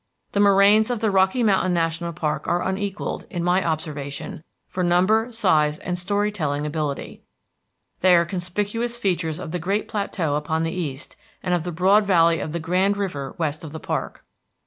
The moraines of the Rocky Mountain National Park are unequalled, in my observation, for number, size, and story telling ability. They are conspicuous features of the great plateau upon the east, and of the broad valley of the Grand River west of the park.